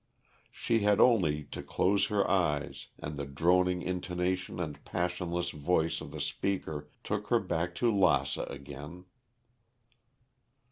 She had only to close her eyes and the droning intonation and passionless voice of the speaker took her back to Lassa again.